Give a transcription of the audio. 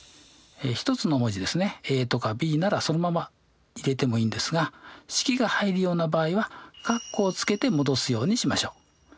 一つの文字ですねとかｂならそのまま入れてもいいんですが式が入るような場合は括弧をつけて戻すようにしましょう。